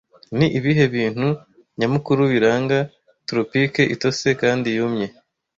Ni ibihe bintu nyamukuru biranga tropique itose kandi yumye